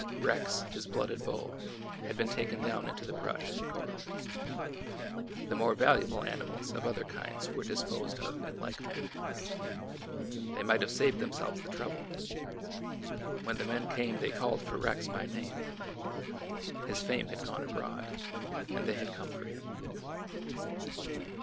Rex, his blooded bull, had been taken down into the brush and corraled. The more valuable animals of other kinds were disposed of in like manner. They might have saved themselves the trouble. When the men came they called for Rex by name. His fame had gone abroad, and they had come for him.